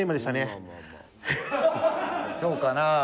そうかな。